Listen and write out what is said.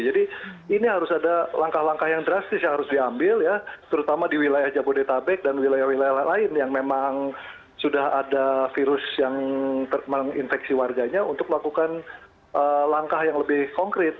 jadi ini harus ada langkah langkah yang drastis yang harus diambil ya terutama di wilayah jabodetabek dan wilayah wilayah lain yang memang sudah ada virus yang menginfeksi warganya untuk lakukan langkah yang lebih konkret